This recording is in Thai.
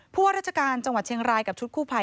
ว่าราชการจังหวัดเชียงรายกับชุดคู่ภัย